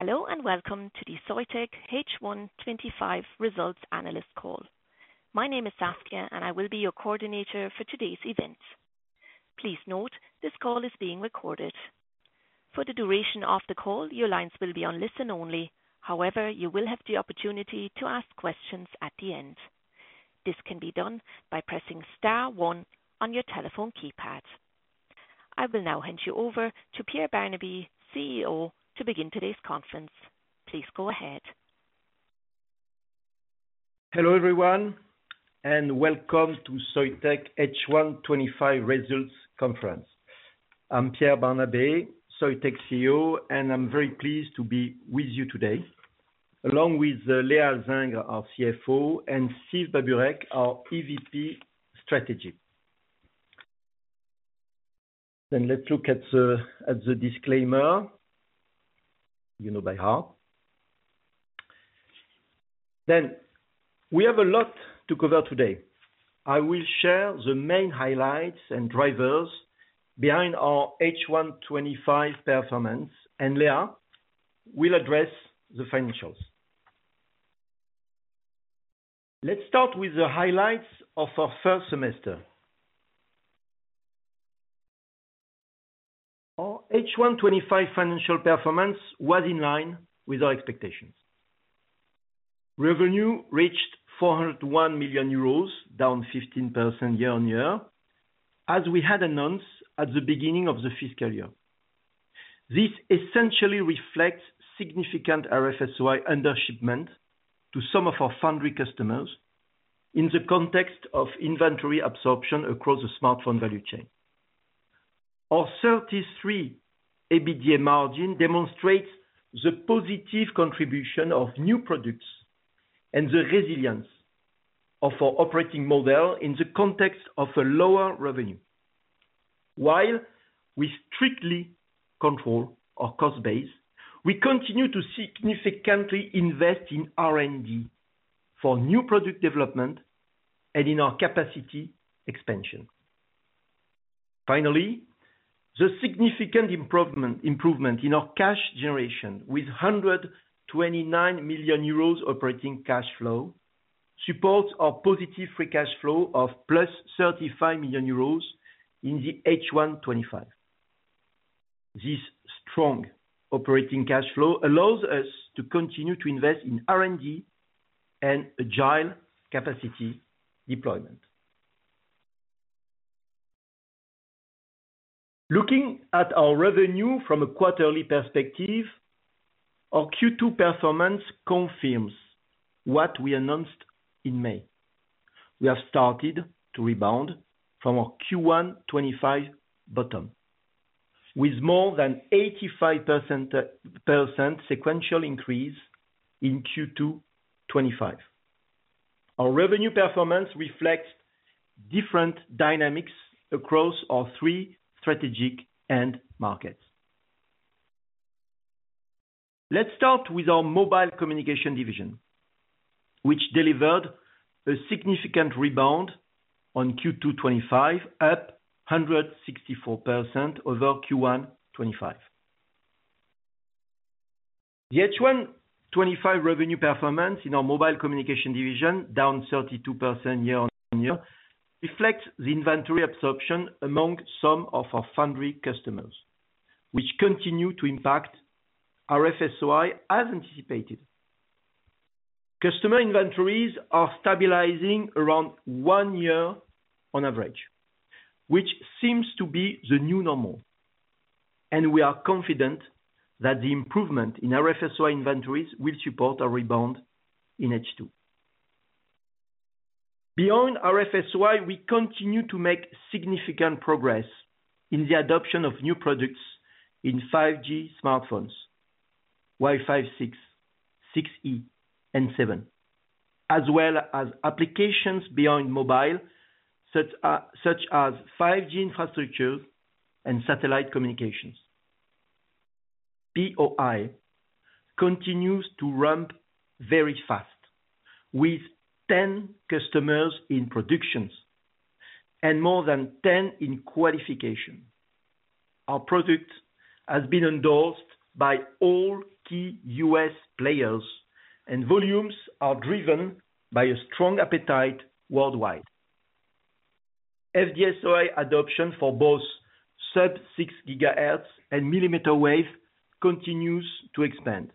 Hello, and welcome to the Soitec H1 2025 results analyst call. My name is Saskia, and I will be your coordinator for today's event. Please note this call is being recorded. For the duration of the call, your lines will be on listen-only; however, you will have the opportunity to ask questions at the end. This can be done by pressing star one on your telephone keypad. I will now hand you over to Pierre Barnabé, CEO, to begin today's conference. Please go ahead. Hello, everyone, and welcome to Soitec H1 2025 results conference. I'm Pierre Barnabé, Soitec CEO, and I'm very pleased to be with you today, along with Léa Alzingre, our CFO, and Steve Babureck, our EVP strategy. Then let's look at the disclaimer, you know, by heart. Then we have a lot to cover today. I will share the main highlights and drivers behind our H125 performance, and Léa will address the financials. Let's start with the highlights of our first semester. Our H1 2025 financial performance was in line with our expectations. Revenue reached €401 million, down 15% year-on-year, as we had announced at the beginning of the fiscal year. This essentially reflects significant RF-SOI undershipment to some of our foundry customers in the context of inventory absorption across the smartphone value chain. Our 33% EBITDA margin demonstrates the positive contribution of new products and the resilience of our operating model in the context of lower revenue. While we strictly control our cost base, we continue to significantly invest in R&D for new product development and in our capacity expansion. Finally, the significant improvement in our cash generation with € 129 million operating cash flow supports our positive free cash flow of € 35 million in the H1 2025. This strong operating cash flow allows us to continue to invest in R&D and agile capacity deployment. Looking at our revenue from a quarterly perspective, our Q2 performance confirms what we announced in May. We have started to rebound from our Q1 2025 bottom, with more than 85% sequential increase in Q2 2025. Our revenue performance reflects different dynamics across our three strategic end markets. Let's start with our Mobile Communications division, which delivered a significant rebound on Q2 2025, up 164% over Q1 2025. The H1 2025 revenue performance in our Mobile Communications division, down 32% year-on-year, reflects the inventory absorption among some of our foundry customers, which continue to impact RF-SOI as anticipated. Customer inventories are stabilizing around one year on average, which seems to be the new normal, and we are confident that the improvement in RF-SOI inventories will support our rebound in H2. Beyond RF-SOI, we continue to make significant progress in the adoption of new products in 5G smartphones, Wi-Fi 6, 6E, and 7, as well as applications beyond mobile, such as 5G infrastructures and satellite communications. POI continues to ramp very fast, with 10 customers in productions and more than 10 in qualification. Our product has been endorsed by all key U.S. players, and volumes are driven by a strong appetite worldwide. FD-SOI adoption for both sub-6 GHz and millimeter wave continues to expand,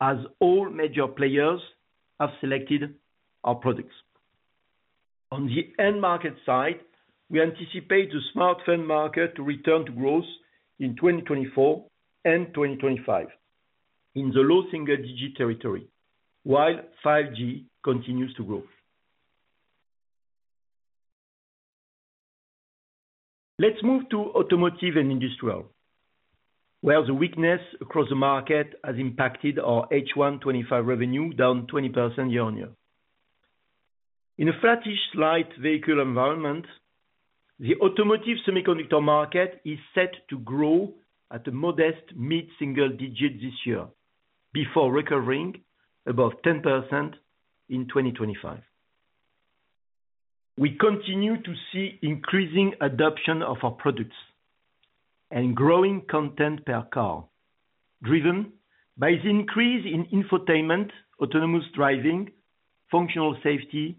as all major players have selected our products. On the end market side, we anticipate the smartphone market to return to growth in 2024 and 2025 in the low single-digit territory, while 5G continues to grow. Let's move to Automotive & Industrial, where the weakness across the market has impacted our H1 2025 revenue, down 20% year-on-year. In a flattish, light vehicle environment, the automotive semiconductor market is set to grow at a modest mid-single digit this year, before recovering above 10% in 2025. We continue to see increasing adoption of our products and growing content per car, driven by the increase in infotainment, autonomous driving, functional safety, and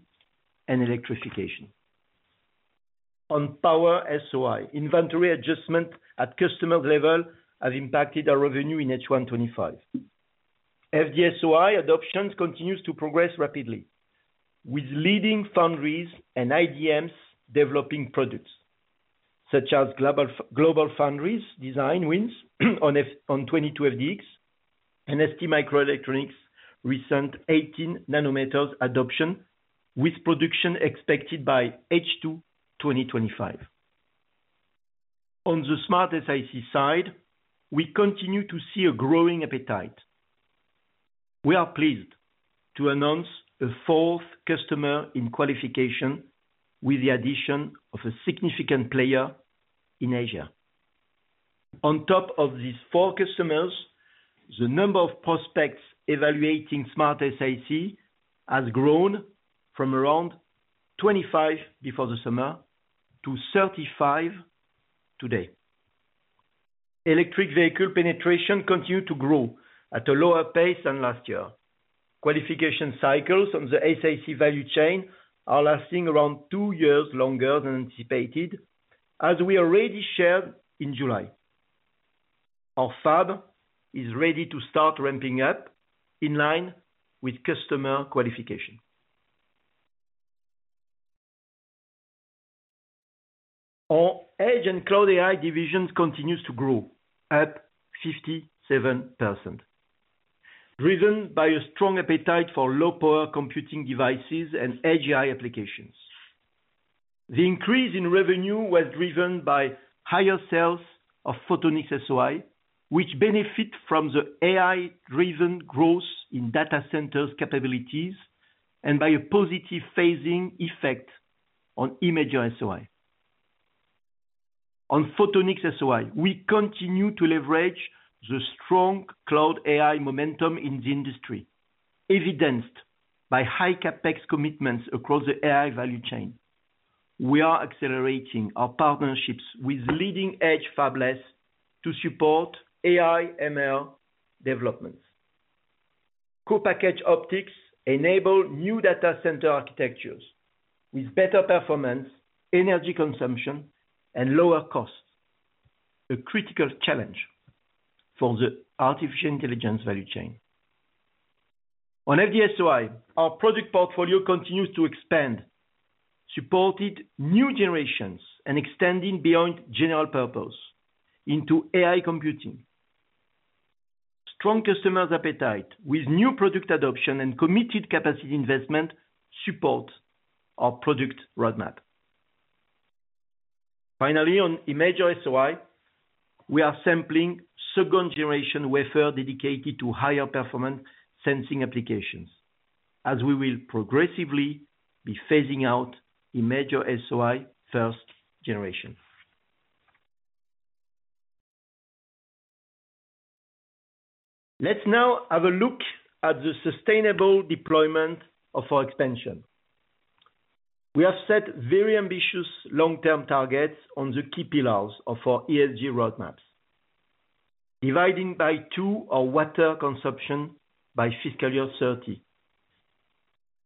electrification. On Power-SOI, inventory adjustment at customer level has impacted our revenue in H1 2025. FD-SOI adoption continues to progress rapidly, with leading foundries and IDMs developing products, such as GlobalFoundries design wins on 22FDX and STMicroelectronics' recent 18 nanometers adoption, with production expected by H2 2025. On the SmartSiC side, we continue to see a growing appetite. We are pleased to announce a fourth customer in qualification with the addition of a significant player in Asia. On top of these four customers, the number of prospects evaluating SmartSiC has grown from around 25 before the summer to 35 today. Electric vehicle penetration continues to grow at a lower pace than last year. Qualification cycles on the SiC value chain are lasting around two years longer than anticipated, as we already shared in July. Our fab is ready to start ramping up in line with customer qualification. Our edge and cloud AI divisions continue to grow, up 57%, driven by a strong appetite for low-power computing devices and edge AI applications. The increase in revenue was driven by higher sales of Photonics-SOI, which benefit from the AI-driven growth in data centers' capabilities and by a positive phasing effect on imager SOI. On Photonics-SOI, we continue to leverage the strong cloud AI momentum in the industry, evidenced by high CapEx commitments across the AI value chain. We are accelerating our partnerships with leading-edge fabless to support AI/ML developments. Co-packaged optics enable new data center architectures with better performance, energy consumption, and lower costs, a critical challenge for the artificial intelligence value chain. On FD-SOI, our product portfolio continues to expand, supporting new generations and extending beyond general purpose into AI computing. Strong customers' appetite with new product adoption and committed capacity investment support our product roadmap. Finally, on Imager-SOI, we are sampling second-generation wafer dedicated to higher-performance sensing applications, as we will progressively be phasing out Imager-SOI first generation. Let's now have a look at the sustainable deployment of our expansion. We have set very ambitious long-term targets on the key pillars of our ESG roadmaps, dividing by two our water consumption by fiscal year 2030,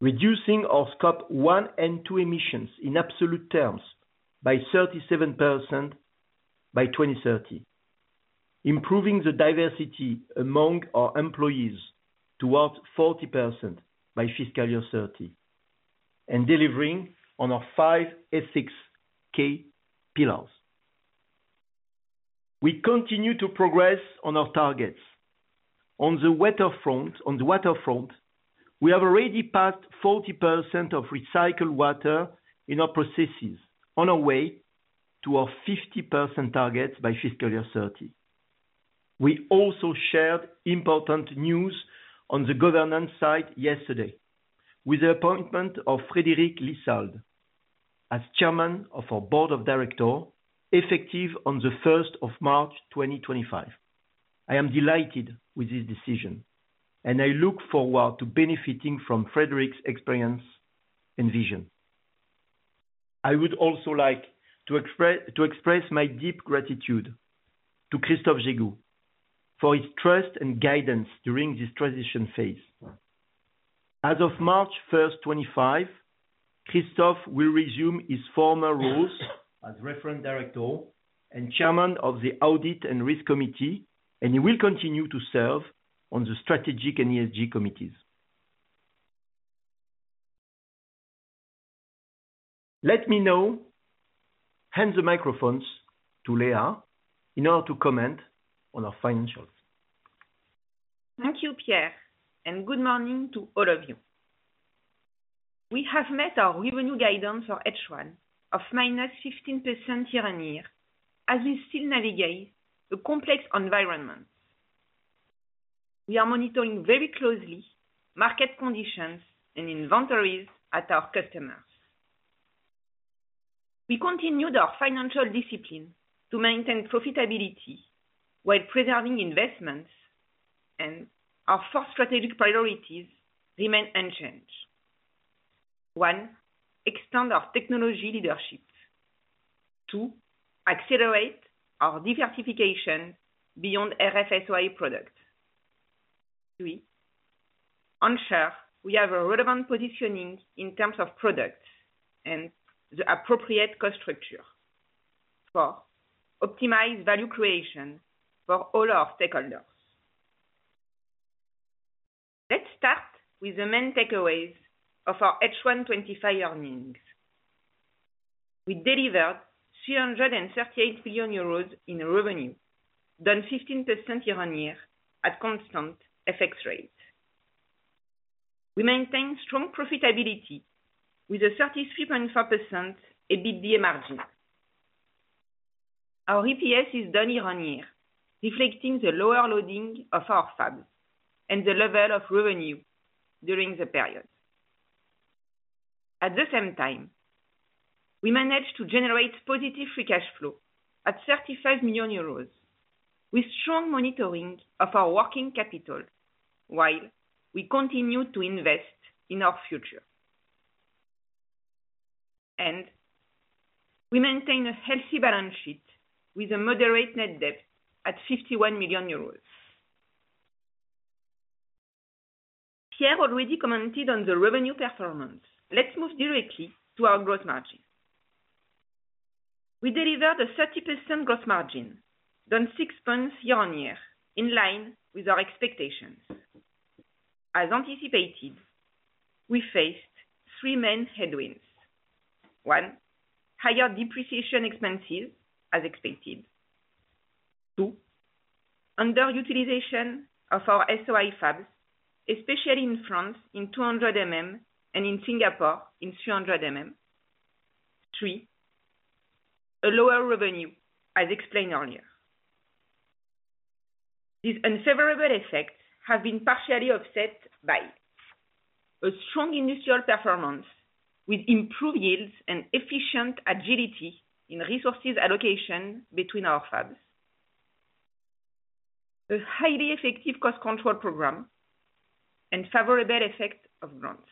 reducing our Scope 1 and 2 emissions in absolute terms by 37% by 2030, improving the diversity among our employees to about 40% by fiscal year 2030, and delivering on our five ethics key pillars. We continue to progress on our targets. On the water front, we have already passed 40% of recycled water in our processes, on our way to our 50% targets by fiscal year 2030. We also shared important news on the governance side yesterday, with the appointment of Frédéric Lissalde as Chairman of our board of directors, effective on the 1st of March 2025. I am delighted with this decision, and I look forward to benefiting from Frédéric's experience and vision. I would also like to express my deep gratitude to Christophe Jégoux for his trust and guidance during this transition phase. As of March 1st, 2025, Christophe will resume his former roles as referent director and Chairman of the Audit and Risk Committee, and he will continue to serve on the Strategic and ESG committees. Let me now hand the microphones to Léa in order to comment on our financials. Thank you, Pierre, and good morning to all of you. We have met our revenue guidance for H1 of minus 15% year-on-year, as we still navigate a complex environment. We are monitoring very closely market conditions and inventories at our customers. We continued our financial discipline to maintain profitability while preserving investments, and our four strategic priorities remain unchanged: one, extend our technology leadership; two, accelerate our diversification beyond RF-SOI products; three, ensure we have a relevant positioning in terms of products and the appropriate cost structure; four, optimize value creation for all our stakeholders. Let's start with the main takeaways of our H1 2025 earnings. We delivered €338 million in revenue, down 15% year-on-year, at constant FX rates. We maintain strong profitability with a 33.4% EBITDA margin. Our EPS is down year-on-year, reflecting the lower loading of our fabs and the level of revenue during the period. At the same time, we managed to generate positive free cash flow at € 35 million, with strong monitoring of our working capital while we continue to invest in our future. And we maintain a healthy balance sheet with a moderate net debt at € 51 million. Pierre already commented on the revenue performance. Let's move directly to our gross margin. We delivered a 30% gross margin, down 6 points year-on-year, in line with our expectations. As anticipated, we faced three main headwinds: one, higher depreciation expenses, as expected, two, underutilization of our SOI fabs, especially in France in 200 mm and in Singapore in 300 mm, three, a lower revenue, as explained earlier. These unfavorable effects have been partially offset by a strong industrial performance, with improved yields and efficient agility in resources allocation between our fabs, a highly effective cost control program, and favorable effect of grants.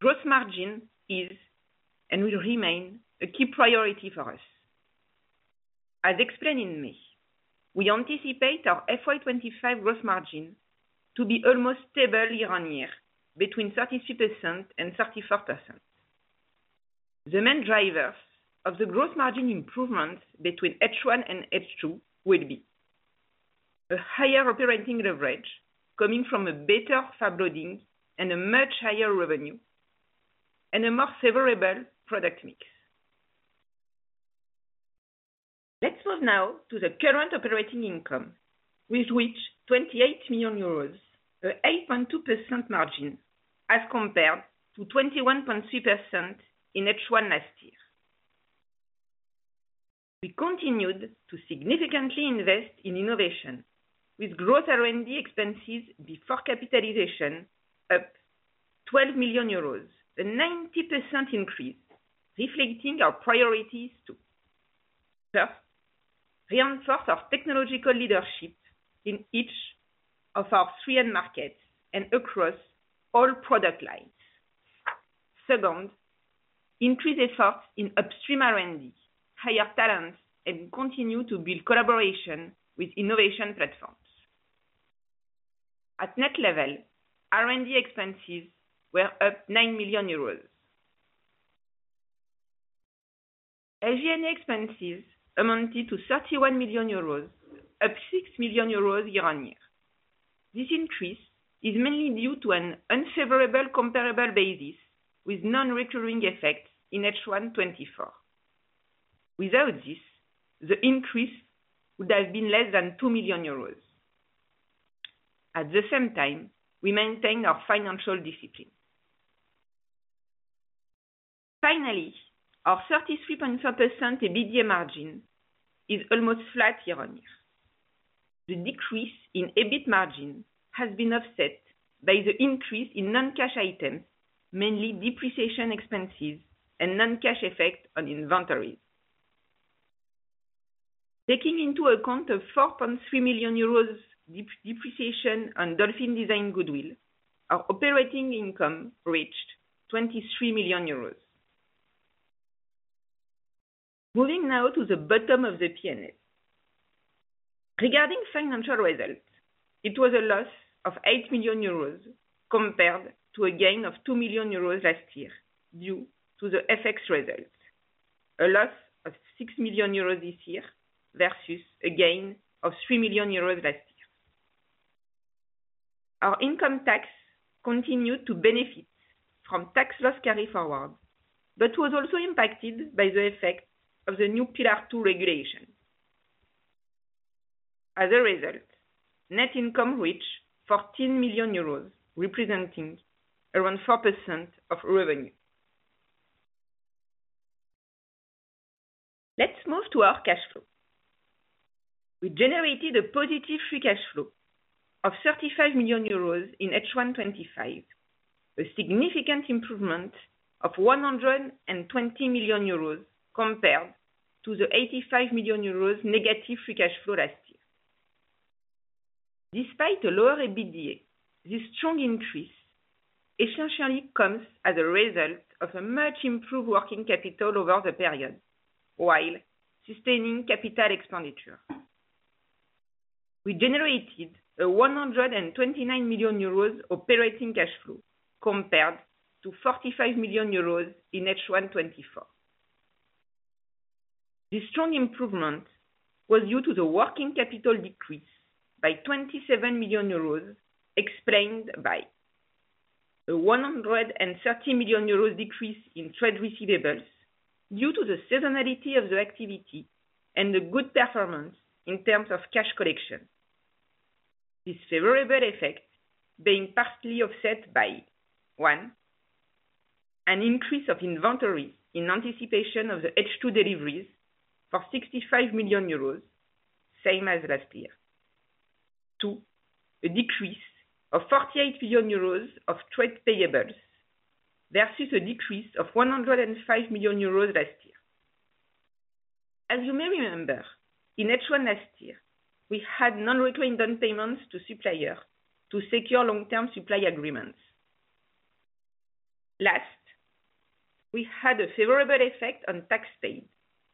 Gross margin is and will remain a key priority for us. As explained in May, we anticipate our FY 2025 gross margin to be almost stable year-on-year, between 33% and 34%. The main drivers of the gross margin improvement between H1 and H2 will be a higher operating leverage coming from a better fab loading and a much higher revenue, and a more favorable product mix. Let's move now to the current operating income, with which 28 million euros, an 8.2% margin, as compared to 21.3% in H1 last year. We continued to significantly invest in innovation, with gross R&D expenses before capitalization up 12 million euros, a 90% increase, reflecting our priorities to: first, reinforce our technological leadership in each of our three end markets and across all product lines, second, increase efforts in upstream R&D, hire talent, and continue to build collaboration with innovation platforms. At net level, R&D expenses were up 9 million euros. SG&A expenses amounted to 31 million euros, up 6 million euros year-on-year. This increase is mainly due to an unfavorable comparable basis with non-recurring effects in H1 2024. Without this, the increase would have been less than 2 million euros. At the same time, we maintain our financial discipline. Finally, our 33.4% EBITDA margin is almost flat year-on-year. The decrease in EBIT margin has been offset by the increase in non-cash items, mainly depreciation expenses and non-cash effect on inventories. Taking into account a 4.3 million euros depreciation on Dolphin Design Goodwill, our operating income reached 23 million euros. Moving now to the bottom of the pyramid. Regarding financial results, it was a loss of 8 million euros compared to a gain of 2 million euros last year due to the FX results, a loss of 6 million euros this year versus a gain of 3 million euros last year. Our income tax continued to benefit from tax loss carry forward, but was also impacted by the effect of the new Pillar 2 regulation. As a result, net income reached 14 million euros, representing around 4% of revenue. Let's move to our cash flow. We generated a positive free cash flow of 35 million euros in H1 2025, a significant improvement of 120 million euros compared to the 85 million euros negative free cash flow last year. Despite a lower EBITDA, this strong increase essentially comes as a result of a much improved working capital over the period while sustaining capital expenditure. We generated a €129 million operating cash flow compared to €45 million in H1 2024. This strong improvement was due to the working capital decrease by €27 million, explained by a €130 million decrease in trade receivables due to the seasonality of the activity and the good performance in terms of cash collection. This favorable effect being partially offset by: one, an increase of inventory in anticipation of the H2 deliveries for €65 million, same as last year. Two, a decrease of €48 million of trade payables versus a decrease of €105 million last year. As you may remember, in H1 last year, we had non-recurring down payments to suppliers to secure long-term supply agreements. Last, we had a favorable effect on tax paid,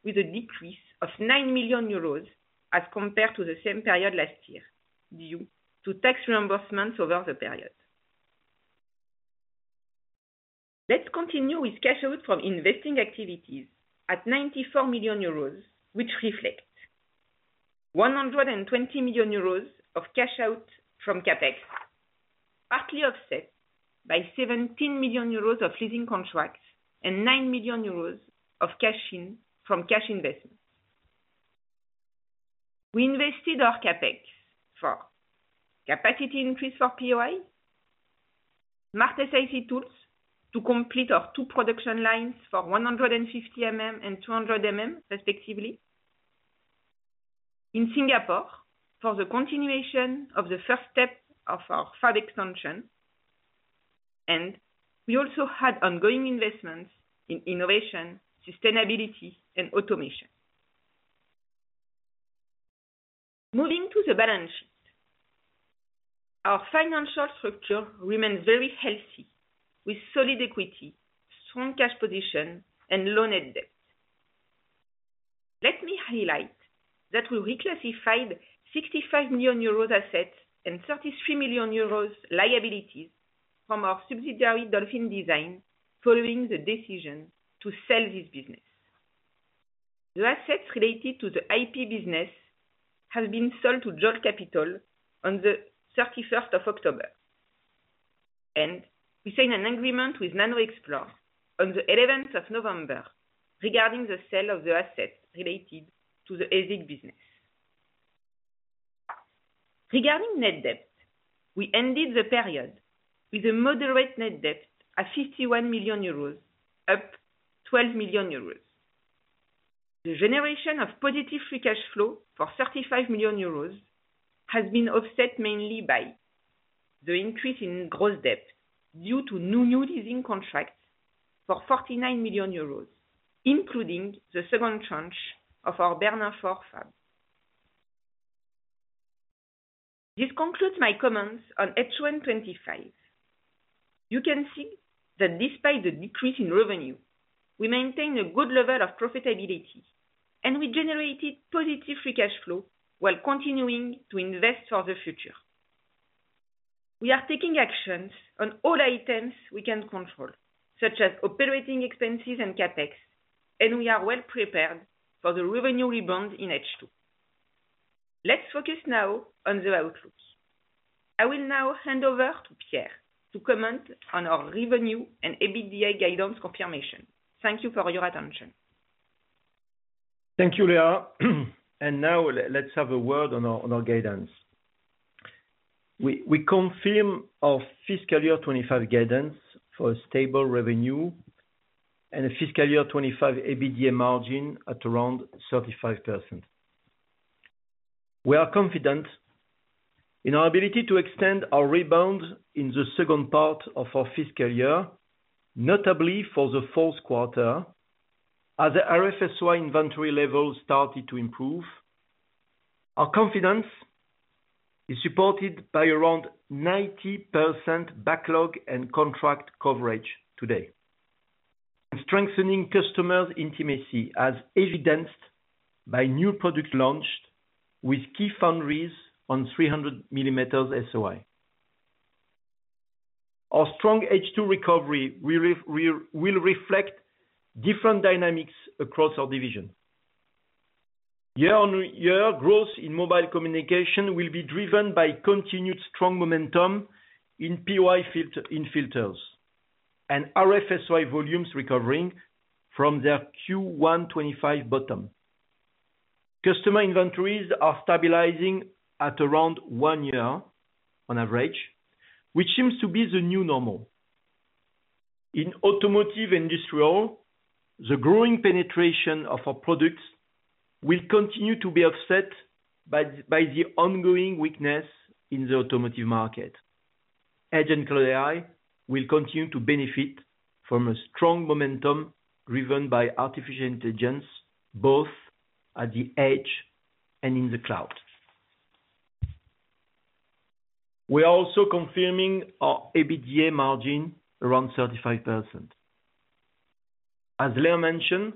with a decrease of 9 million euros as compared to the same period last year due to tax reimbursements over the period. Let's continue with cash out from investing activities at 94 million euros, which reflects 120 million euros of cash out from CapEx, partly offset by 17 million euros of leasing contracts and 9 million euros of cash in from cash investments. We invested our CapEx for capacity increase for POI, SmartSiC tools to complete our two production lines for 150 and 200 respectively, in Singapore for the continuation of the first step of our fab extension, and we also had ongoing investments in innovation, sustainability, and automation. Moving to the balance sheet, our financial structure remains very healthy, with solid equity, strong cash position, and loaned debt. Let me highlight that we reclassified 65 million euros assets and 33 million euros liabilities from our subsidiary Dolphin Design following the decision to sell this business. The assets related to the IP business have been sold to Jolt Capital on the October 31st, and we signed an agreement with NanoXplore on the November 11th regarding the sale of the assets related to the ASIC business. Regarding net debt, we ended the period with a moderate net debt at 51 million euros, up 12 million euros. The generation of positive free cash flow for 35 million euros has been offset mainly by the increase in gross debt due to new leasing contracts for 49 million euros, including the second tranche of our Bernin 4 Fab. This concludes my comments on H1 2025. You can see that despite the decrease in revenue, we maintain a good level of profitability, and we generated positive free cash flow while continuing to invest for the future. We are taking actions on all items we can control, such as operating expenses and CapEx, and we are well prepared for the revenue rebound in H2. Let's focus now on the outlook. I will now hand over to Pierre to comment on our revenue and EBITDA guidance confirmation. Thank you for your attention. Thank you, Léa. And now let's have a word on our guidance. We confirm our fiscal year 2025 guidance for a stable revenue and a fiscal year 2025 EBITDA margin at around 35%. We are confident in our ability to extend our rebound in the second part of our fiscal year, notably for the fourth quarter, as the RF-SOI inventory level started to improve. Our confidence is supported by around 90% backlog and contract coverage today, and strengthening customers' intimacy as evidenced by new products launched with key foundries on 300 SOI. Our strong H2 recovery will reflect different dynamics across our division. Year-on-year growth in Mobile Communications will be driven by continued strong momentum in POI filters and RF-SOI volumes recovering from their Q1 2025 bottom. Customer inventories are stabilizing at around one year on average, which seems to be the new normal. In automotive, and industrial, the growing penetration of our products will continue to be offset by the ongoing weakness in the automotive market. Edge AI and cloud AI will continue to benefit from a strong momentum driven by artificial intelligence, both at the edge and in the cloud. We are also confirming our EBITDA margin around 35%. As Léa mentioned,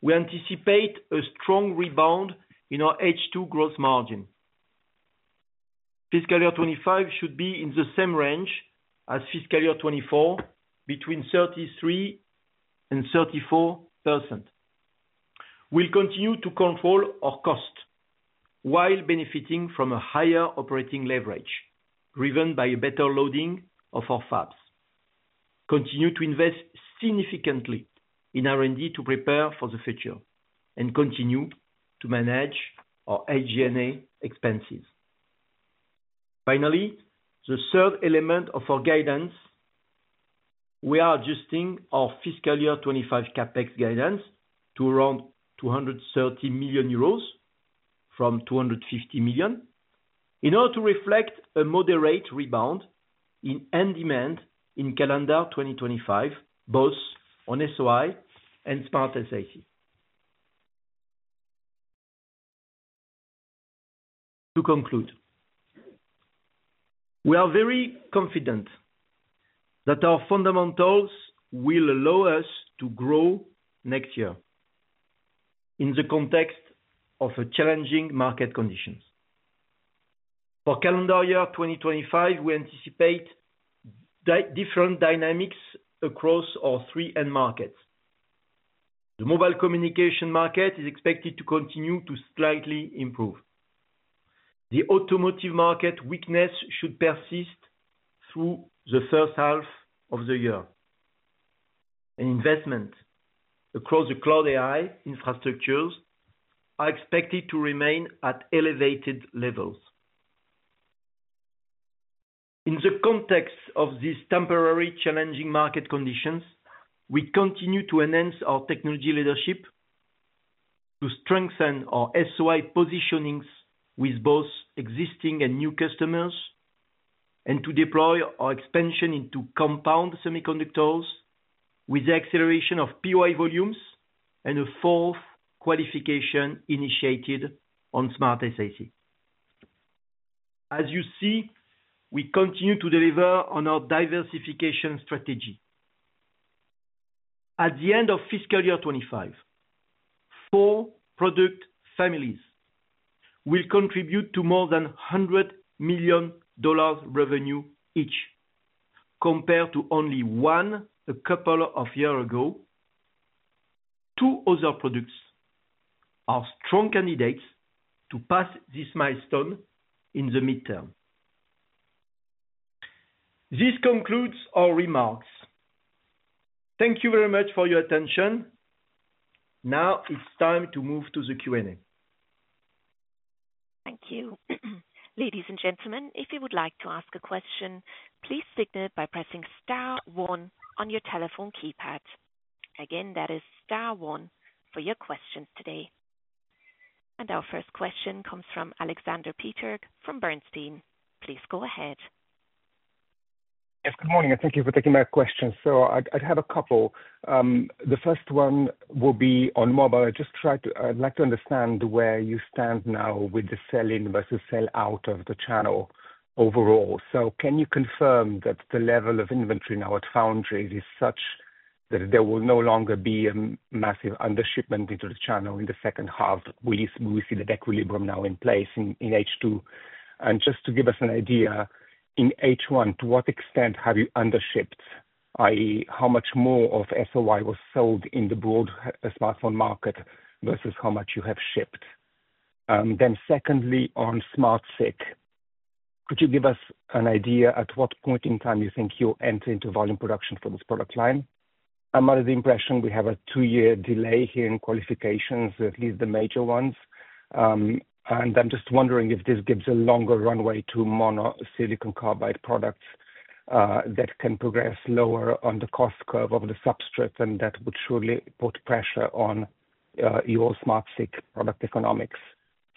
we anticipate a strong rebound in our H2 gross margin. Fiscal year 2025 should be in the same range as fiscal year 2024, between 33% and 34%. We'll continue to control our costs while benefiting from a higher operating leverage driven by a better loading of our fabs. Continue to invest significantly in R&D to prepare for the future and continue to manage our SG&A expenses. Finally, the third element of our guidance, we are adjusting our fiscal year 2025 CapEx guidance to around €230 million from €250 million in order to reflect a moderate rebound in end demand in calendar 2025, both on SOI and SmartSiC. To conclude, we are very confident that our fundamentals will allow us to grow next year in the context of challenging market conditions. For calendar year 2025, we anticipate different dynamics across our three end markets. The Mobile Communications market is expected to continue to slightly improve. The automotive market weakness should persist through the first half of the year, and investments across the Cloud AI infrastructures are expected to remain at elevated levels. In the context of these temporary challenging market conditions, we continue to enhance our technology leadership to strengthen our SOI positionings with both existing and new customers and to deploy our expansion into compound semiconductors with the acceleration of POI volumes and a fourth qualification initiated on SmartSiC. As you see, we continue to deliver on our diversification strategy. At the end of fiscal year 2025, four product families will contribute to more than $100 million revenue each, compared to only one a couple of years ago. Two other products are strong candidates to pass this milestone in the midterm. This concludes our remarks. Thank you very much for your attention. Now it's time to move to the Q&A. Thank you. Ladies and gentlemen, if you would like to ask a question, please signal by pressing star one on your telephone keypad. Again, that is star one for your questions today. And our first question comes from Aleksander Peterc from Bernstein. Please go ahead. Yes, good morning, and thank you for taking my question. So I'd have a couple. The first one will be on mobile. I just like to understand where you stand now with the sell-in versus sell-out of the channel overall. So can you confirm that the level of inventory now at foundries is such that there will no longer be a massive under-shipment into the channel in the second half? We see that equilibrium now in place in H2. And just to give us an idea, in H1, to what extent have you under-shipped? I.e., how much more of SOI was sold in the broad smartphone market versus how much you have shipped? Then secondly, on SmartSiC, could you give us an idea at what point in time you think you'll enter into volume production for this product line? I'm under the impression we have a two-year delay here in qualifications, at least the major ones. And I'm just wondering if this gives a longer runway to mono-SiC products that can progress lower on the cost curve of the substrate, and that would surely put pressure on your SmartSiC product economics.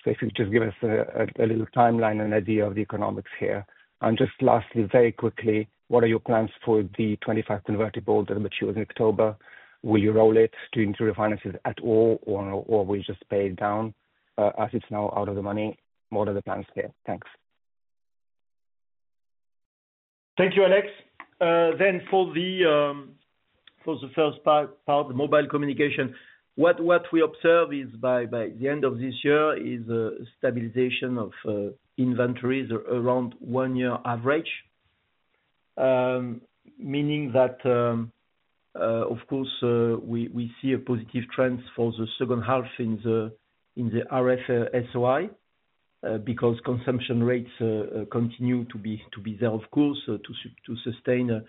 So if you could just give us a little timeline and idea of the economics here. And just lastly, very quickly, what are your plans for the 25 convertibles that mature in October? Will you roll it to interim financing at all, or will you just pay it down as it's now out of the money? What are the plans here? Thanks. Thank you, Aleks. Then for the first part, the Mobile Communications, what we observe is by the end of this year is a stabilization of inventories around one-year average, meaning that, of course, we see a positive trend for the second half in the RF-SOI because consumption rates continue to be there, of course, to sustain a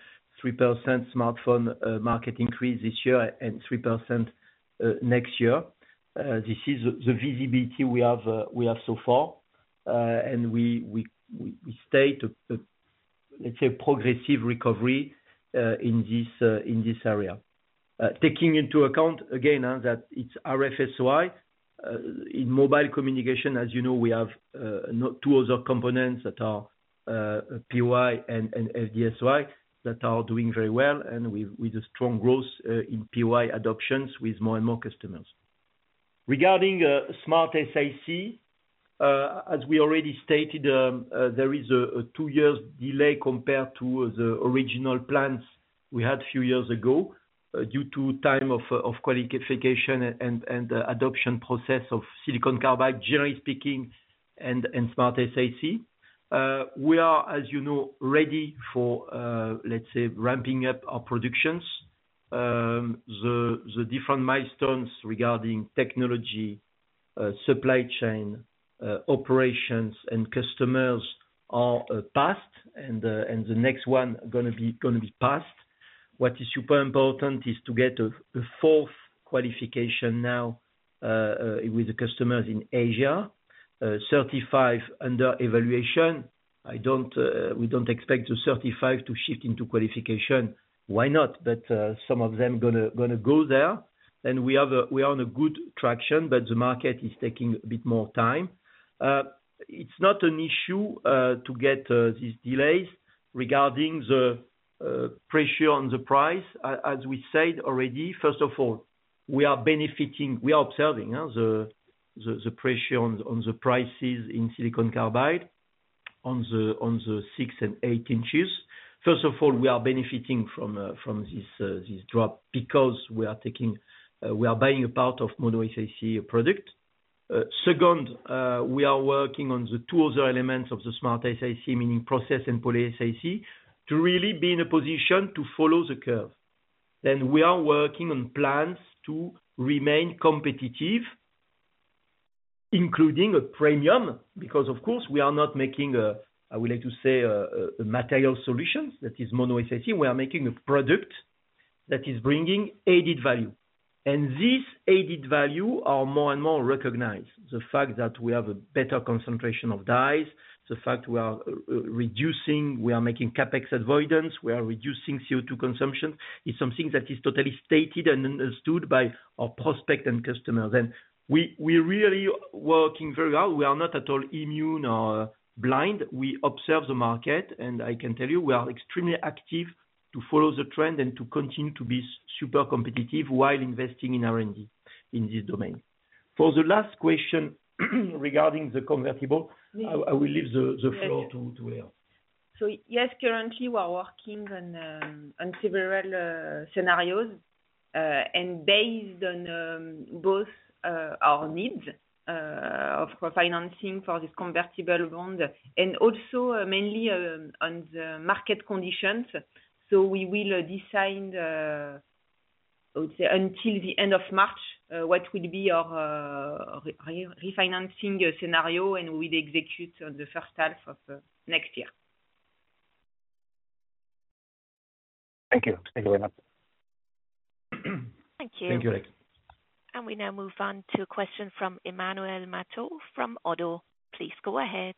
3% smartphone market increase this year and 3% next year. This is the visibility we have so far, and we state, let's say, a progressive recovery in this area. Taking into account, again, that it's RF-SOI in Mobile Communications, as you know, we have two other components that are POI and FD-SOI that are doing very well, and with a strong growth in POI adoptions with more and more customers. Regarding SmartSiC, as we already stated, there is a two-year delay compared to the original plans we had a few years ago due to the time of qualification and adoption process of silicon carbide, generally speaking, and SmartSiC. We are, as you know, ready for, let's say, ramping up our productions. The different milestones regarding technology, supply chain, operations, and customers are past, and the next one is going to be past. What is super important is to get a fourth qualification now with the customers in Asia, certified under evaluation. We don't expect the certified to shift into qualification. Why not? But some of them are going to go there, and we are on a good traction, but the market is taking a bit more time. It's not an issue to get these delays regarding the pressure on the price. As we said already, first of all, we are benefiting. We are observing the pressure on the prices in Silicon Carbide on the 6-inch and 8-inch. First of all, we are benefiting from this drop because we are buying a part of Mono-SiC product. Second, we are working on the two other elements of the SmartSiC, meaning process and Poly-SiC, to really be in a position to follow the curve. Then we are working on plans to remain competitive, including a premium, because, of course, we are not making, I would like to say, a material solution that is Mono-SiC. We are making a product that is bringing added value. And this added value is more and more recognized. The fact that we have a better concentration of dies, the fact we are reducing, we are making CapEx avoidance, we are reducing CO2 consumption is something that is totally stated and understood by our prospects and customers, and we are really working very hard. We are not at all immune or blind. We observe the market, and I can tell you we are extremely active to follow the trend and to continue to be super competitive while investing in R&D in this domain. For the last question regarding the convertible, I will leave the floor to Léa. So yes, currently, we are working on several scenarios and based on both our needs of financing for this convertible bond and also mainly on the market conditions. So we will decide, I would say, until the end of March what will be our refinancing scenario, and we will execute the first half of next year. Thank you. Thank you very much. Thank you. Thank you, Alex. We now move on to a question from Emmanuel Matot from Oddo BHF. Please go ahead.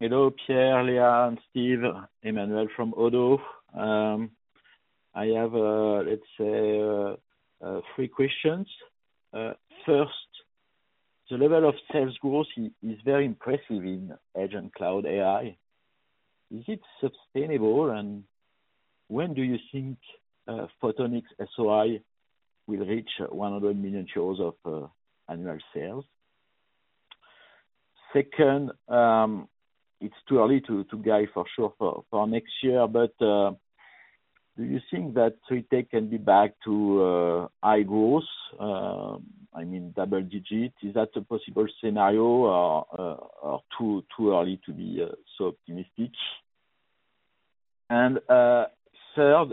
Hello, Pierre, Léa, and Steve. Emmanuel from Oddo. I have, let's say, three questions. First, the level of sales growth is very impressive in Edge AI. Is it sustainable, and when do you think Photonics-SOI will reach 100 million of annual sales? Second, it's too early to guide for sure for next year, but do you think that the tech can be back to high growth, I mean, double digit? Is that a possible scenario or too early to be so optimistic? And third,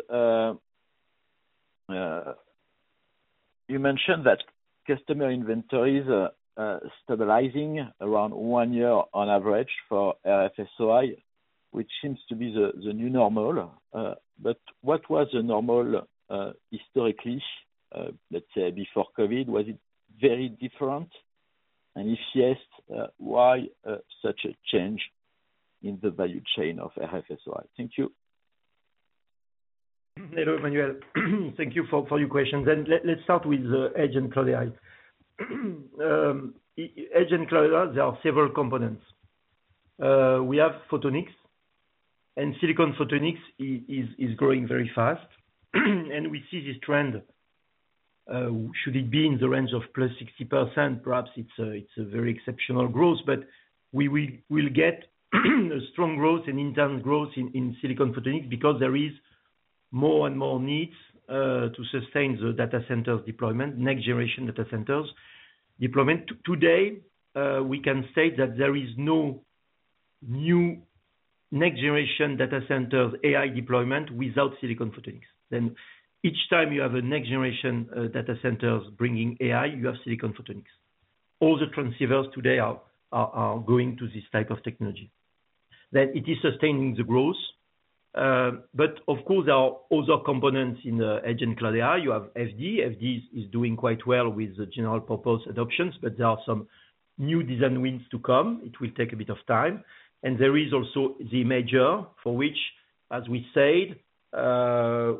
you mentioned that customer inventory is stabilizing around one year on average for RF-SOI, which seems to be the new normal. But what was the normal historically, let's say, before COVID? Was it very different? And if yes, why such a change in the value chain of RF-SOI? Thank you. Hello, Emmanuel. Thank you for your questions, and let's start with Edge AI. Edge AI, there are several components. We have photonics, and silicon photonics is growing very fast. And we see this trend. Should it be in the range of +60%, perhaps it's a very exceptional growth, but we will get a strong growth and intense growth in silicon photonics because there are more and more needs to sustain the data centers deployment, next-generation data centers deployment. Today, we can state that there is no new next-generation data centers AI deployment without silicon photonics. Then each time you have a next-generation data centers bringing AI, you have silicon photonics. All the transceivers today are going to this type of technology. Then it is sustaining the growth. But of course, there are other components in Edge AI. You have FD-SOI. FD is doing quite well with the general purpose adoptions, but there are some new design wins to come. It will take a bit of time, and there is also the modulator for which, as we said,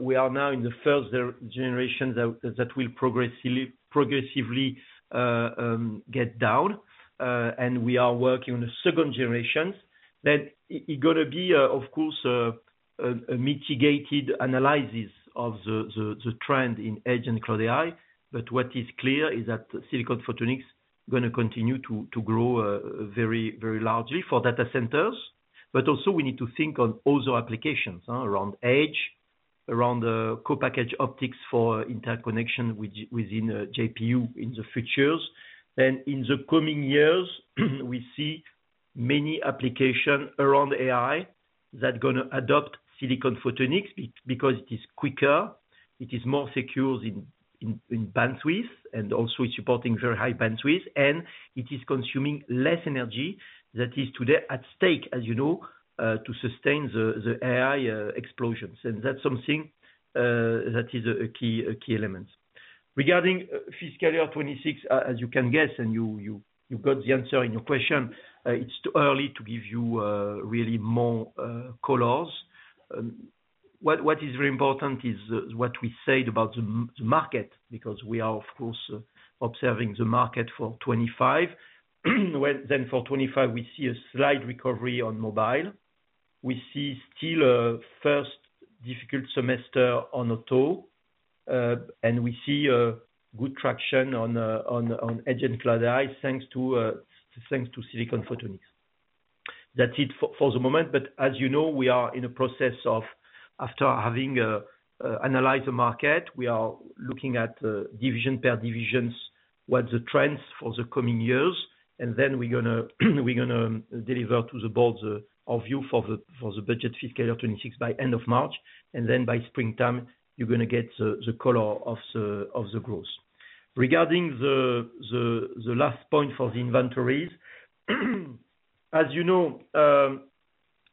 we are now in the first generation that will progressively come down, and we are working on the second generation, then it's going to be, of course, a mixed analysis of the trend in edge AI. But what is clear is that silicon photonics is going to continue to grow very largely for data centers, but also, we need to think on other applications around edge, around co-packaged optics for interconnection within GPU in the future. Then in the coming years, we see many applications around AI that are going to adopt silicon photonics because it is quicker, it is more secure in bandwidth, and also it's supporting very high bandwidth, and it is consuming less energy. That is today at stake, as you know, to sustain the AI explosions. And that's something that is a key element. Regarding fiscal year 2026, as you can guess, and you got the answer in your question, it's too early to give you really more colors. What is very important is what we said about the market because we are, of course, observing the market for 2025. Then for 2025, we see a slight recovery on mobile. We see still a first difficult semester on auto, and we see good traction on edge and cloud AI thanks to silicon photonics. That's it for the moment. But as you know, we are in a process of, after having analyzed the market, we are looking at division by division, what are the trends for the coming years, and then we're going to deliver to the board our view for the budget fiscal year 2026 by end of March. And then by springtime, you're going to get the color of the growth. Regarding the last point for the inventories, as you know,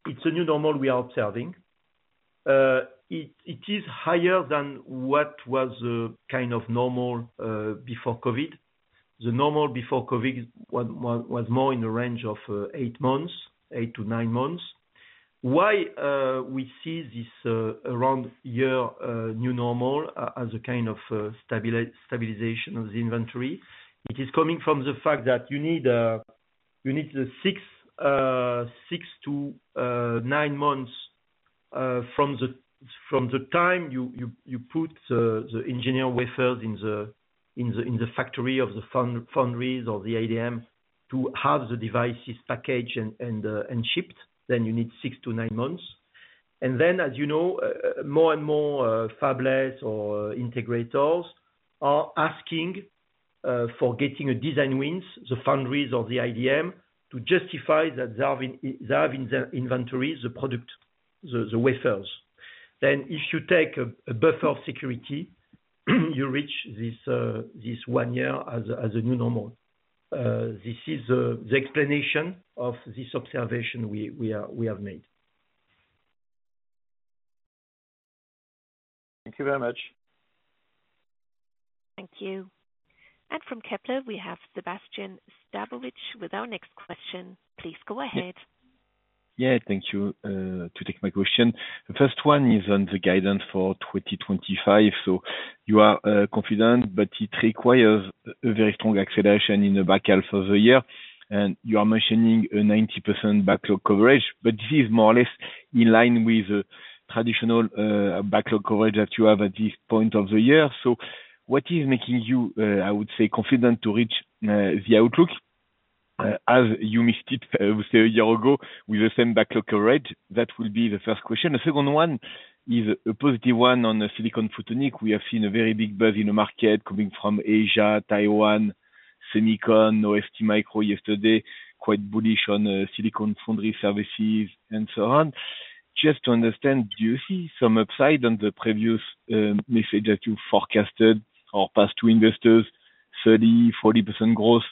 it's a new normal we are observing. It is higher than what was the kind of normal before COVID. The normal before COVID was more in the range of eight months, eight to nine months. Why we see this as around a year new normal as a kind of stabilization of the inventory? It is coming from the fact that you need the six to nine months from the time you put the engineer wafers in the factory of the foundries or the IDM to have the devices packaged and shipped. Then you need six to nine months. And then, as you know, more and more fabless or integrators are asking for getting a design wins, the foundries or the IDM, to justify that they have in their inventories the product, the wafers. Then if you take a buffer of security, you reach this one year as a new normal. This is the explanation of this observation we have made. Thank you very much. Thank you. And from Kepler, we have Sébastien Sztabowicz with our next question. Please go ahead. Yeah, thank you for taking my question. The first one is on the guidance for 2025. So you are confident, but it requires a very strong acceleration in the back half of the year. And you are mentioning a 90% backlog coverage, but this is more or less in line with the traditional backlog coverage that you have at this point of the year. So what is making you, I would say, confident to reach the outlook as you missed it a year ago with the same backlog coverage? That will be the first question. The second one is a positive one on silicon photonics. We have seen a very big buzz in the market coming from Asia, Taiwan, Semicon, TSMC yesterday, quite bullish on silicon foundry services and so on. Just to understand, do you see some upside on the previous message that you forecasted or past two years, 30%-40% growth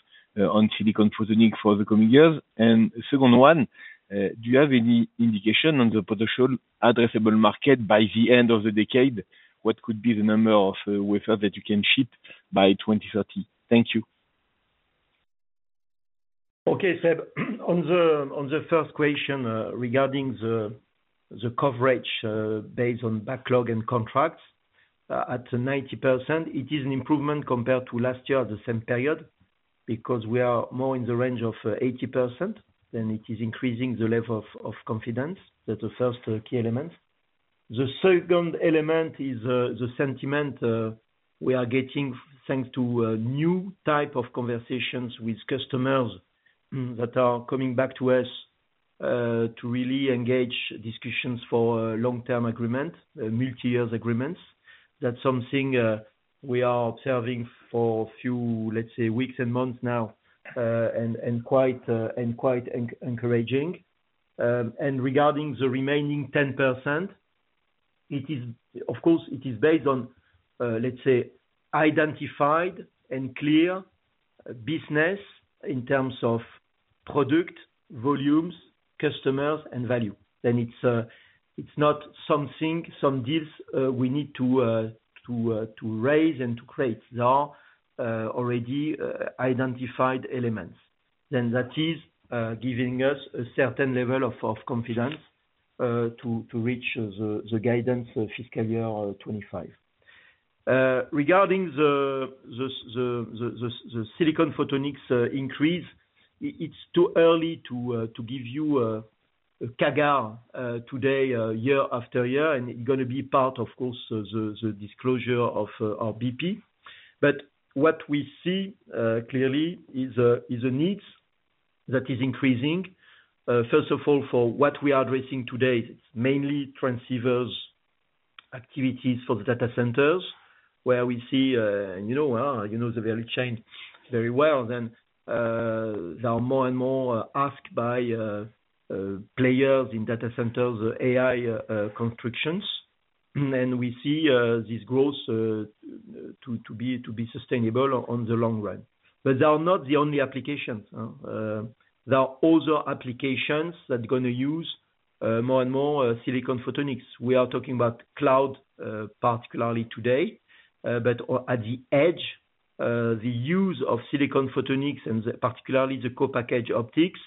on silicon photonics for the coming years? And second one, do you have any indication on the potential addressable market by the end of the decade? What could be the number of wafers that you can ship by 2030? Thank you. Okay, Seb, on the first question regarding the coverage based on backlog and contracts at 90%, it is an improvement compared to last year at the same period because we are more in the range of 80%. Then it is increasing the level of confidence. That's the first key element. The second element is the sentiment we are getting thanks to a new type of conversations with customers that are coming back to us to really engage discussions for long-term agreements, multi-year agreements. That's something we are observing for a few, let's say, weeks and months now and quite encouraging. And regarding the remaining 10%, of course, it is based on, let's say, identified and clear business in terms of product volumes, customers, and value. Then it's not something, some deals we need to raise and to create. There are already identified elements. Then that is giving us a certain level of confidence to reach the guidance fiscal year 2025. Regarding the silicon photonics increase, it's too early to give you a figure today, year after year, and it's going to be part of course of the disclosure of our BP. But what we see clearly is a need that is increasing. First of all, for what we are addressing today, it's mainly transceivers activities for the data centers where we see, you know, the value chain very well. Then there are more and more asked by players in data centers, AI constructions. And we see this growth to be sustainable on the long run. But they are not the only applications. There are other applications that are going to use more and more silicon photonics. We are talking about cloud, particularly today, but at the edge, the use of silicon photonics and particularly the co-packaged optics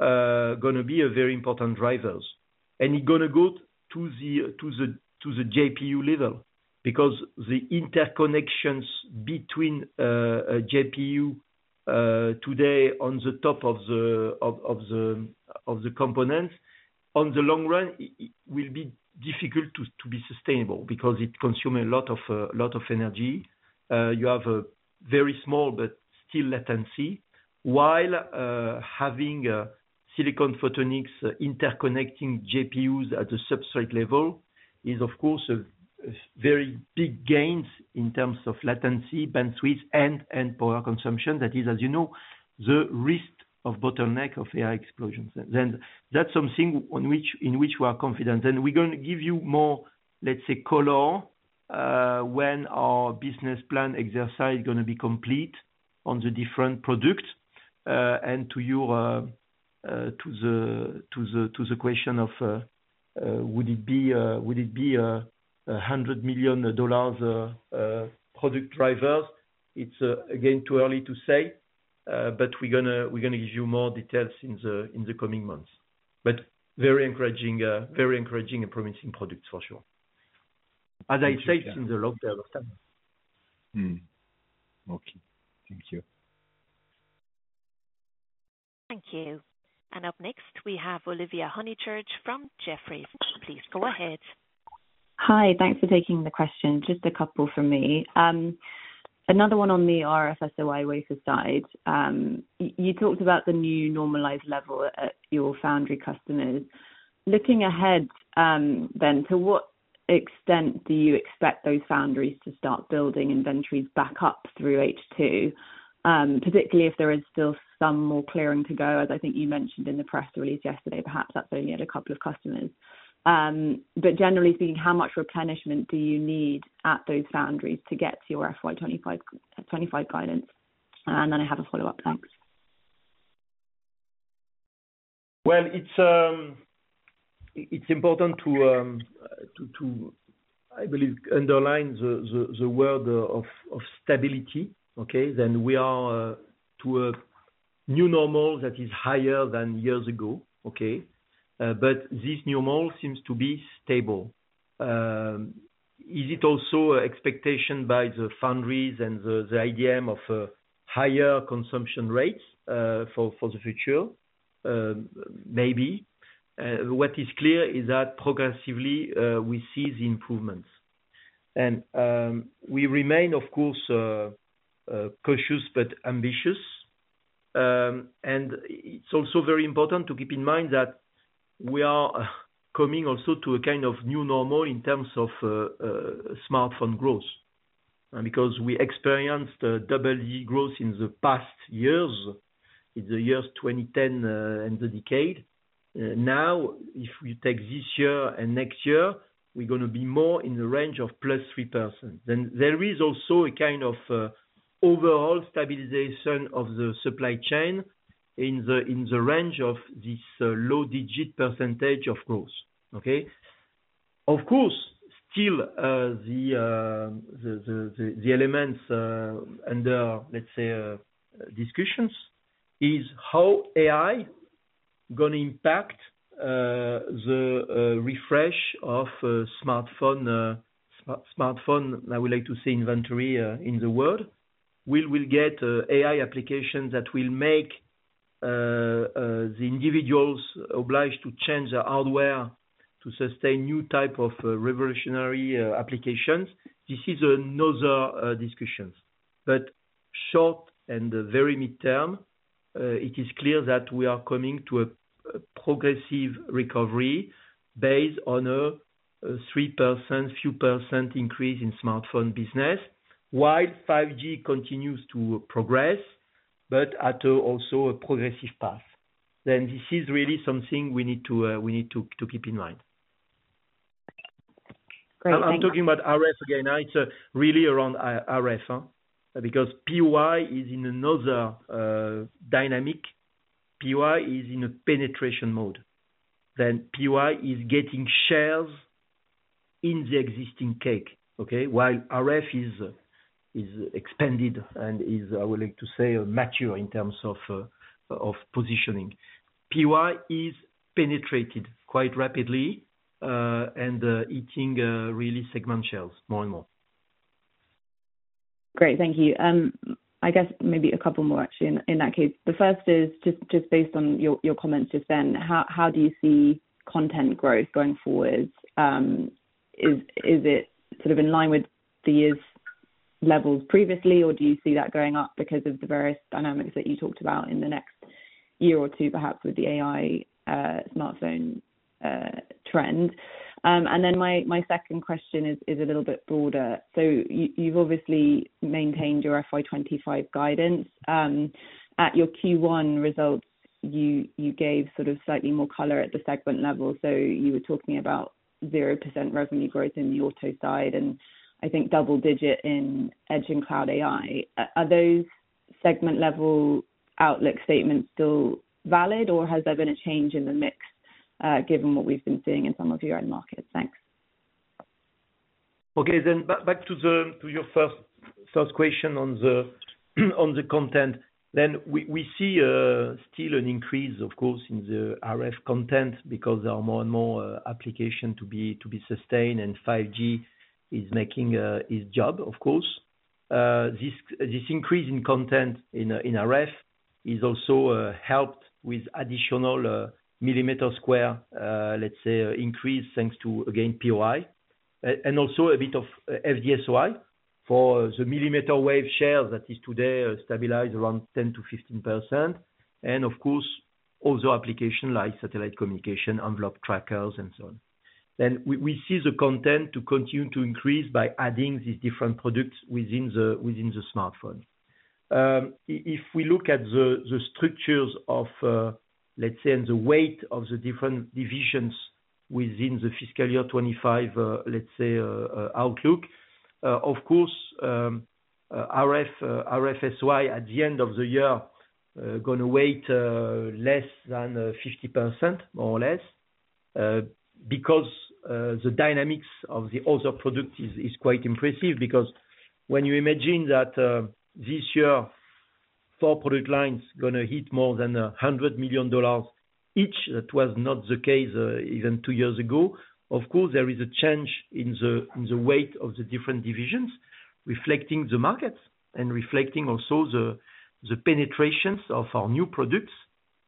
are going to be very important drivers. And it's going to go to the GPU level because the interconnections between GPU today on the top of the components, on the long run, will be difficult to be sustainable because it consumes a lot of energy. You have a very small but still latency. While having silicon photonics interconnecting GPUs at the substrate level is, of course, a very big gain in terms of latency, bandwidth, and power consumption. That is, as you know, the risk of bottleneck of AI explosions. Then that's something in which we are confident. And we're going to give you more, let's say, color when our business plan exercise is going to be complete on the different products. To the question of would it be $100 million product drivers, it's again too early to say, but we're going to give you more details in the coming months. Very encouraging and promising products for sure. As I said, in the long term. Okay. Thank you. Thank you. And up next, we have Olivia Honychurch from Jefferies. Please go ahead. Hi. Thanks for taking the question. Just a couple from me. Another one on the RF-SOI wafer side. You talked about the new normalized level at your foundry customers. Looking ahead then, to what extent do you expect those foundries to start building inventories back up through H2, particularly if there is still some more clearing to go, as I think you mentioned in the press release yesterday? Perhaps that's only at a couple of customers. But generally speaking, how much replenishment do you need at those foundries to get to your FY 2025 guidance? And then I have a follow-up. Thanks. It's important to, I believe, underline the word of stability. Okay? Then we are at a new normal that is higher than years ago. Okay? But this new normal seems to be stable. Is it also an expectation by the foundries and the IDM of higher consumption rates for the future? Maybe. What is clear is that progressively we see the improvements, and we remain, of course, cautious but ambitious. It's also very important to keep in mind that we are coming also to a kind of new normal in terms of smartphone growth. Because we experienced double-digit growth in the past years, in the year 2010 and the decade. Now, if we take this year and next year, we're going to be more in the range of +3%. Then there is also a kind of overall stabilization of the supply chain in the range of this low-digit % of growth. Okay? Of course, still the elements under, let's say, discussions is how AI is going to impact the refresh of smartphone, I would like to say, inventory in the world. Will we get AI applications that will make the individuals obliged to change their hardware to sustain new types of revolutionary applications? This is another discussion. But short and very midterm, it is clear that we are coming to a progressive recovery based on a 3%, few % increase in smartphone business, while 5G continues to progress, but at also a progressive path. Then this is really something we need to keep in mind. Great. I'm talking about RF again. It's really around RF because POI is in another dynamic. POI is in a penetration mode. Then POI is getting shares in the existing cake, okay, while RF is expanded and is, I would like to say, mature in terms of positioning. POI is penetrated quite rapidly and eating really segment shares more and more. Great. Thank you. I guess maybe a couple more, actually, in that case. The first is just based on your comments just then. How do you see content growth going forward? Is it sort of in line with the years' levels previously, or do you see that going up because of the various dynamics that you talked about in the next year or two, perhaps with the AI smartphone trend? And then my second question is a little bit broader. So you've obviously maintained your FY 2025 guidance. At your Q1 results, you gave sort of slightly more color at the segment level. So you were talking about 0% revenue growth in the auto side and I think double-digit in Edge AI and cloud AI. Are those segment-level outlook statements still valid, or has there been a change in the mix given what we've been seeing in some of your end markets? Thanks. Okay, then back to your first question on the content, then we see still an increase, of course, in the RF content because there are more and more applications to be sustained, and 5G is making its job, of course. This increase in content in RF is also helped with additional millimeter wave, let's say, increase thanks to, again, POI, and also a bit of FD-SOI for the millimeter wave shares that is today stabilized around 10%-15%, and of course, also applications like satellite communication, envelope trackers, and so on, then we see the content to continue to increase by adding these different products within the smartphone. If we look at the structures of, let's say, and the weight of the different divisions within the fiscal year 2025, let's say, outlook, of course, RF-SOI at the end of the year is going to weigh less than 50%, more or less, because the dynamics of the auto product is quite impressive. Because when you imagine that this year, four product lines are going to hit more than $100 million each, that was not the case even two years ago. Of course, there is a change in the weight of the different divisions reflecting the markets and reflecting also the penetrations of our new products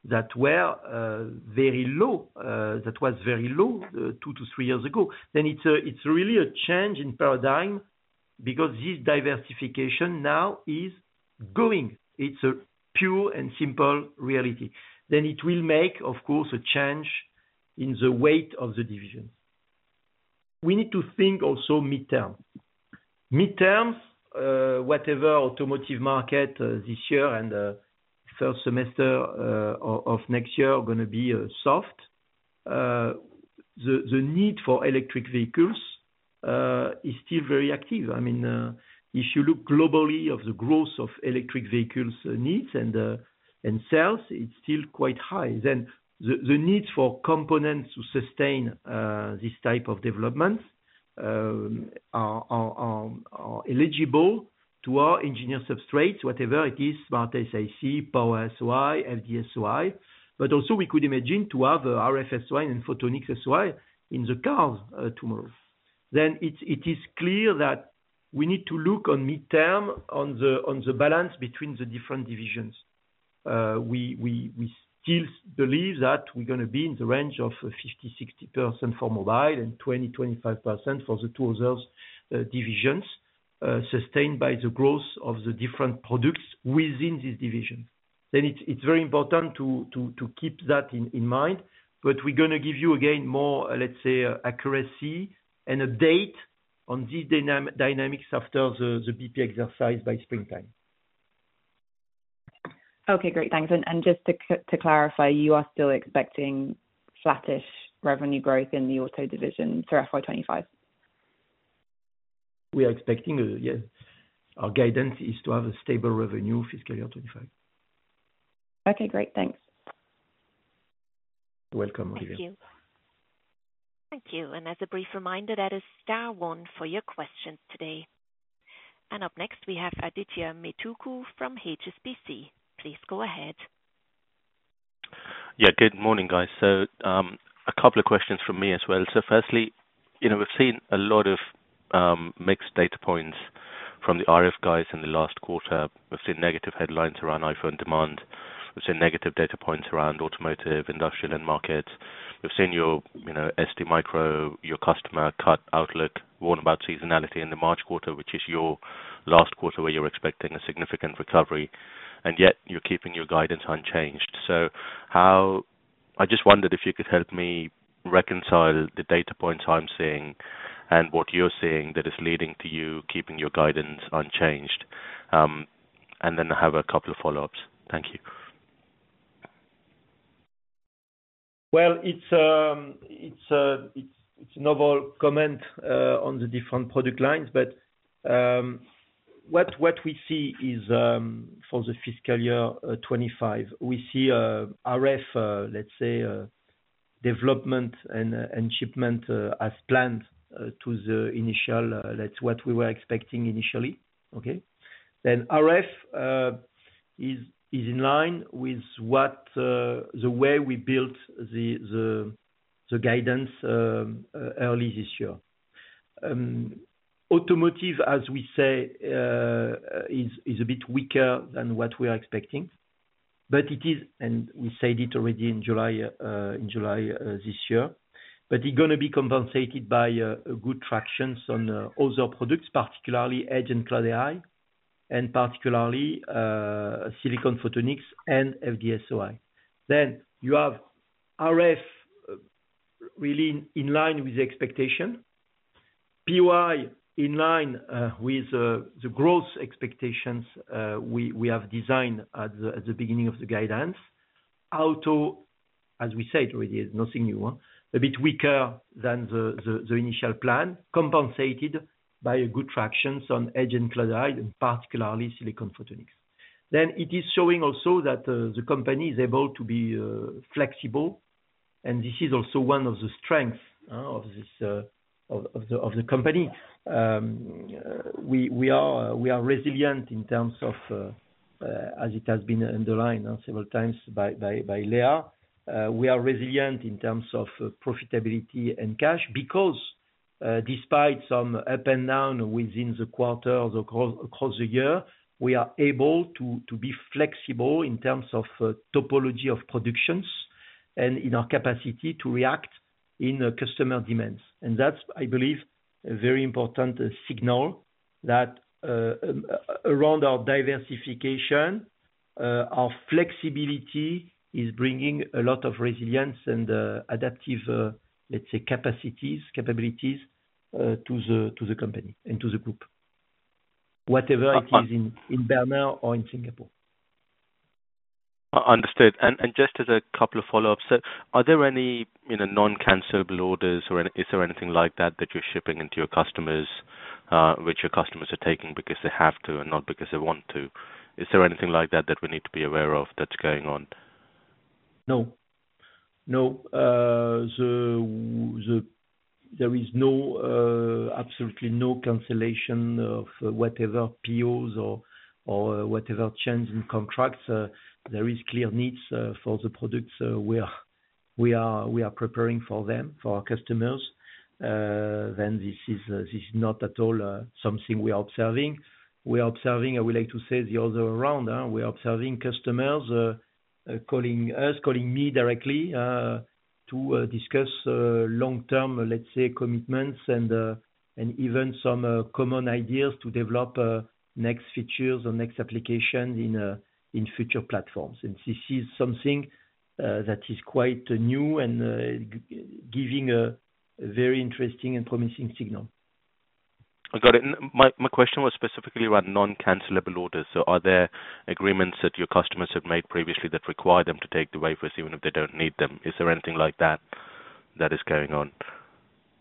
that were very low, that was very low two to three years ago. Then it's really a change in paradigm because this diversification now is going. It's a pure and simple reality. Then it will make, of course, a change in the weight of the divisions. We need to think also midterm. Midterms, whatever automotive market this year and the first semester of next year are going to be soft, the need for electric vehicles is still very active. I mean, if you look globally at the growth of electric vehicles needs and sales, it's still quite high. Then the needs for components to sustain this type of developments are eligible to our engineered substrates, whatever it is, SmartSiC, Power-SOI, FD-SOI. But also we could imagine to have RF-SOI and Photonics-SOI in the cars tomorrow. Then it is clear that we need to look on midterm on the balance between the different divisions. We still believe that we're going to be in the range of 50%-60% for mobile and 20%-25% for the two others divisions sustained by the growth of the different products within these divisions. Then it's very important to keep that in mind. But we're going to give you, again, more, let's say, accuracy and a date on these dynamics after the BP exercise by springtime. Okay. Great. Thanks. And just to clarify, you are still expecting flattish revenue growth in the auto division for FY 2025? We are expecting, yes. Our guidance is to have a stable revenue fiscal year 2025. Okay. Great. Thanks. You're welcome, Olivia. Thank you. Thank you. And as a brief reminder, that is star one for your questions today. And up next, we have Adithya Metuku from HSBC. Please go ahead. Yeah. Good morning, guys. So a couple of questions from me as well. So firstly, we've seen a lot of mixed data points from the RF guys in the last quarter. We've seen negative headlines around iPhone demand. We've seen negative data points around automotive, industrial, and markets. We've seen your ST Micro, your customer cut outlook, warn about seasonality in the March quarter, which is your last quarter where you're expecting a significant recovery. And yet you're keeping your guidance unchanged. So I just wondered if you could help me reconcile the data points I'm seeing and what you're seeing that is leading to you keeping your guidance unchanged. And then I have a couple of follow-ups. Thank you. It's a novel comment on the different product lines, but what we see is for the fiscal year 2025, we see RF, let's say, development and shipment as planned to the initial, that's what we were expecting initially. Okay? Then RF is in line with the way we built the guidance early this year. Automotive, as we say, is a bit weaker than what we are expecting. But it is, and we said it already in July this year, but it's going to be compensated by good tractions on other products, particularly edge and cloud AI, and particularly silicon photonics and FD-SOI. Then you have RF really in line with expectation. POI in line with the growth expectations we have designed at the beginning of the guidance. Auto, as we said already, is nothing new, a bit weaker than the initial plan, compensated by good traction on edge and cloud AI, and particularly silicon photonics. It is showing also that the company is able to be flexible. This is also one of the strengths of the company. We are resilient in terms of, as it has been underlined several times by Léa, we are resilient in terms of profitability and cash because despite some ups and downs within the quarters across the year, we are able to be flexible in terms of typology of productions and in our capacity to react to customer demands. That's, I believe, a very important signal that around our diversification, our flexibility is bringing a lot of resilience and adaptive, let's say, capacities, capabilities to the company and to the group, whatever it is in Bernin or in Singapore. Understood. And just as a couple of follow-ups, are there any non-cancelable orders or is there anything like that that you're shipping into your customers, which your customers are taking because they have to and not because they want to? Is there anything like that that we need to be aware of that's going on? No. No. There is absolutely no cancellation of whatever POs or whatever change in contracts. There are clear needs for the products we are preparing for them, for our customers. Then this is not at all something we are observing. We are observing, I would like to say, the other way around. We are observing customers calling us, calling me directly to discuss long-term, let's say, commitments and even some common ideas to develop next features or next applications in future platforms. And this is something that is quite new and giving a very interesting and promising signal. I got it. My question was specifically around non-cancelable orders, so are there agreements that your customers have made previously that require them to take the wafers even if they don't need them? Is there anything like that that is going on?